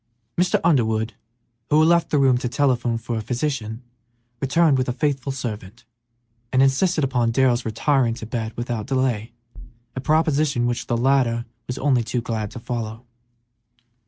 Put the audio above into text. Mr. Underwood, who had left the room to telephone for a physician, returned with a faithful servant, and insisted upon Darrell's retiring to bed without delay, a proposition which the latter was only too glad to follow.